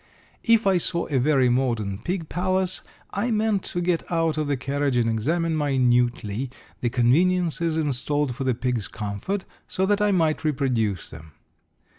If I saw a very modern pig palace I meant to get out of the carriage and examine minutely the conveniences installed for the pig's comfort, so that I might reproduce them.